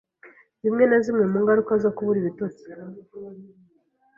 zimwe na zimwe mu ngaruka zo kubura ibitotsi,